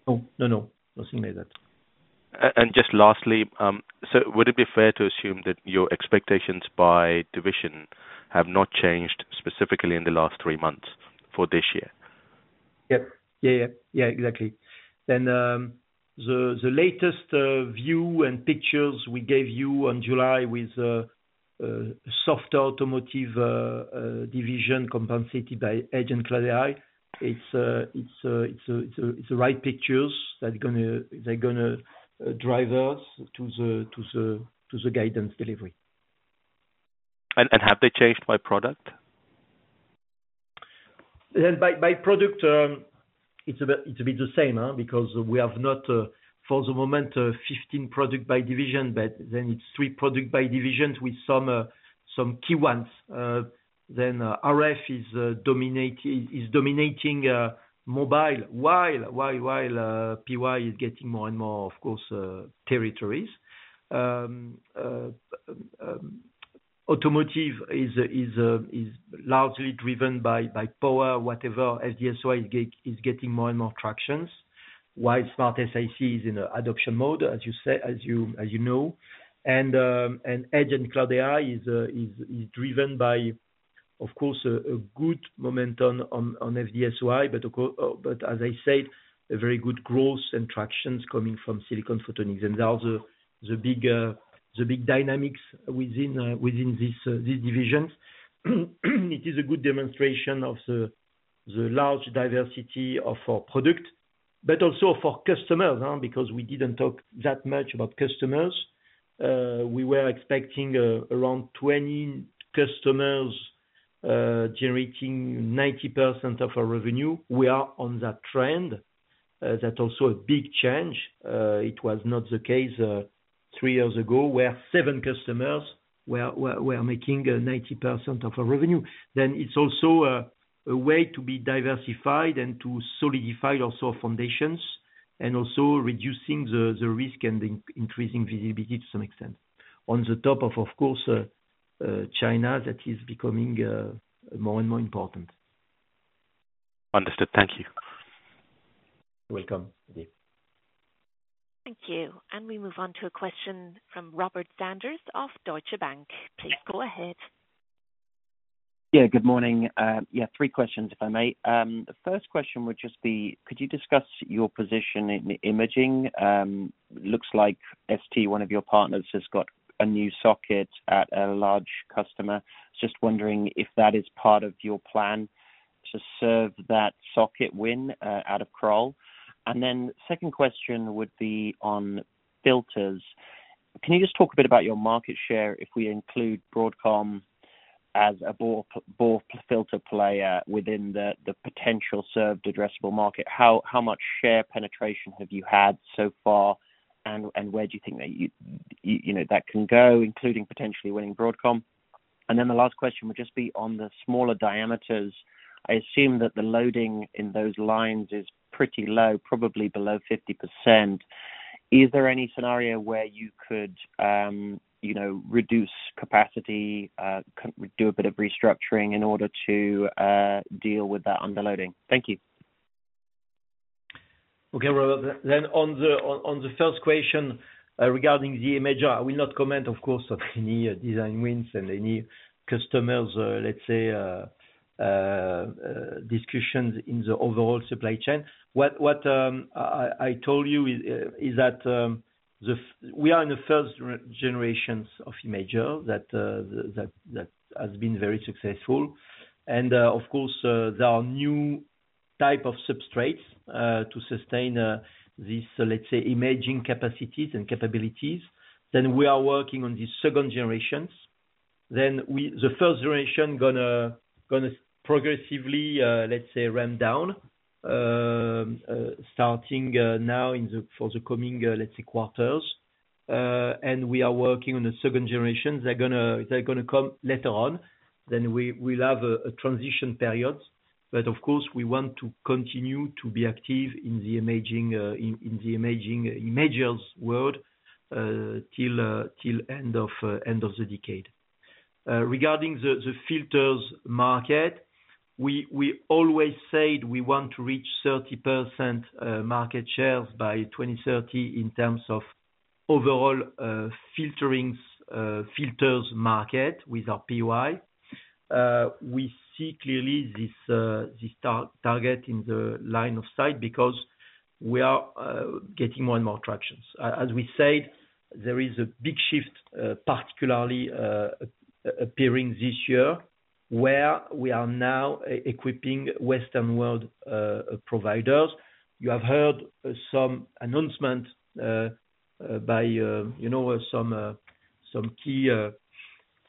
No. No, no. Nothing like that. Just lastly, so would it be fair to assume that your expectations by division have not changed specifically in the last three months for this year? Yep. Yeah, yeah. Yeah, exactly. Then the latest view and pictures we gave you on July with soft automotive division compensated by edge and cloud AI. It's the right pictures that are going to drive us to the guidance delivery. Have they changed by product? By product, it's a bit the same because we have not, for the moment, 15 products by division, but then it's three products by divisions with some key ones. RF is dominating mobile while POI is getting more and more, of course, territories. Automotive is largely driven by power, whatever. FD-SOI is getting more and more traction while SmartSiC is in adoption mode, as you know. Edge and cloud AI is driven by, of course, a good momentum on FD-SOI, but as I said, a very good growth and traction coming from silicon photonics. Those are the big dynamics within these divisions. It is a good demonstration of the large diversity of our product, but also for customers because we didn't talk that much about customers. We were expecting around 20 customers generating 90% of our revenue. We are on that trend. That's also a big change. It was not the case three years ago where seven customers were making 90% of our revenue. Then it's also a way to be diversified and to solidify also foundations and also reducing the risk and increasing visibility to some extent on the top of, of course, China that is becoming more and more important. Understood. Thank you. You're welcome. Thank you. And we move on to a question from Robert Sanders of Deutsche Bank. Please go ahead. Yeah. Good morning. Yeah. Three questions, if I may. The first question would just be, could you discuss your position in imaging? Looks like ST, one of your partners, has got a new socket at a large customer. Just wondering if that is part of your plan to serve that socket win out of Crolles. And then second question would be on filters. Can you just talk a bit about your market share if we include Broadcom as a BAW filter player within the potential served addressable market? How much share penetration have you had so far, and where do you think that can go, including potentially winning Broadcom? And then the last question would just be on the smaller diameters. I assume that the loading in those lines is pretty low, probably below 50%. Is there any scenario where you could reduce capacity, do a bit of restructuring in order to deal with that underloading? Thank you. Okay, Robert. Then on the first question regarding the imager, I will not comment, of course, on any design wins and any customers, let's say, discussions in the overall supply chain. What I told you is that we are in the first generations of imager that has been very successful. Of course, there are new types of substrates to sustain these, let's say, imaging capacities and capabilities. We are working on these second generations. The first generation is going to progressively, let's say, ramp down starting now for the coming, let's say, quarters. We are working on the second generations. They're going to come later on. We'll have a transition period. Of course, we want to continue to be active in the imaging imagers world till end of the decade. Regarding the filters market, we always said we want to reach 30% market shares by 2030 in terms of overall filters market with our POI. We see clearly this target in the line of sight because we are getting more and more traction. As we said, there is a big shift particularly appearing this year where we are now equipping Western world providers. You have heard some announcement by some key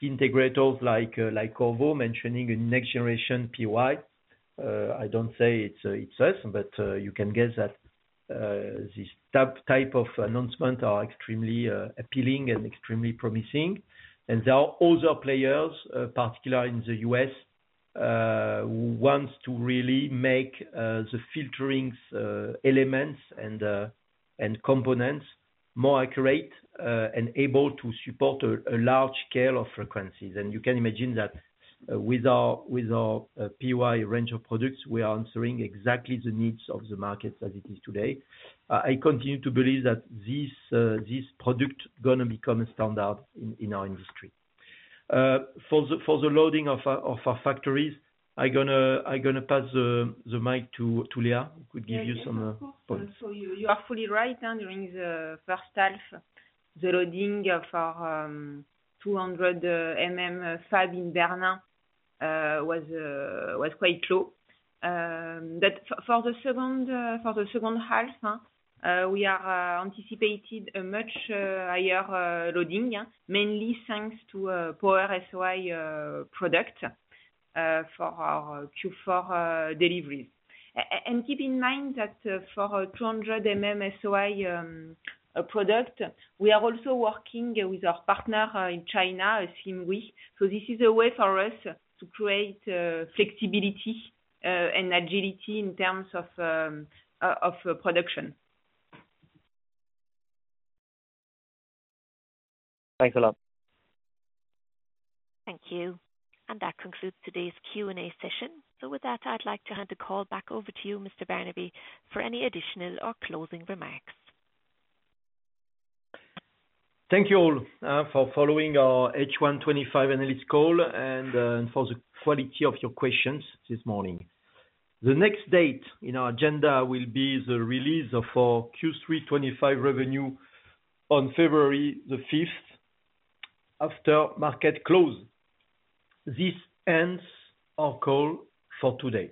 integrators like Qorvo mentioning a next generation POI. I don't say it's us, but you can guess that these types of announcements are extremely appealing and extremely promising, and there are other players, particularly in the US, who want to really make the filtering elements and components more accurate and able to support a large scale of frequencies. You can imagine that with our POI range of products, we are answering exactly the needs of the markets as it is today. I continue to believe that this product is going to become a standard in our industry. For the loading of our factories, I'm going to pass the mic to Léa. I could give you some points. So you are fully right. During the first half, the loading for 200 mm fab in Bernin was quite low. But for the second half, we are anticipating a much higher loading, mainly thanks to Power-SOI products for our Q4 deliveries. And keep in mind that for 200 mm SOI product, we are also working with our partner in China, Simgui. So this is a way for us to create flexibility and agility in terms of production. Thanks a lot. Thank you. And that concludes today's Q&A session. So with that, I'd like to hand the call back over to you, Mr. Barnabé, for any additional or closing remarks. Thank you all for following our H1 2025 analyst call and for the quality of your questions this morning. The next date in our agenda will be the release of our Q3 2025 revenue on February the 5th after market close. This ends our call for today.